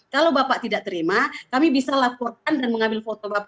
kalau bapak tidak terima kami bisa laporkan dan mengambil foto bapak